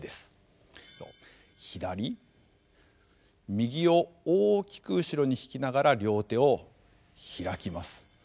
右を大きく後ろに引きながら両手を開きます。